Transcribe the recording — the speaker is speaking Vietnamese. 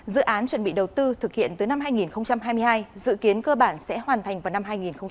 dự án chuẩn bị đầu tư thực hiện từ năm hai nghìn hai mươi hai dự kiến cơ bản sẽ hoàn thành vào năm hai nghìn hai mươi năm